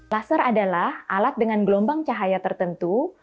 laser adalah alat dengan gelombang cahaya tertentu